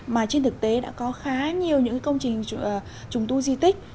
mà trên thực tế đã có khá nhiều những công trình trùng tu di tích